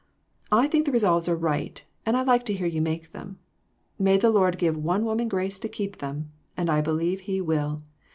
I think the resolves are all right, and I like to hear you make them. May the Lord give one woman grace to keep them, and I believe He will.